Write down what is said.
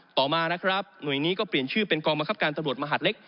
ต่อมานะครับหน่วยนี้ก็เปลี่ยนชื่อเป็นกองบังคับการตำรวจมหาดเล็ก